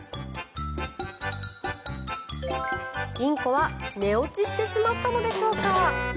インコは寝落ちしてしまったのでしょうか。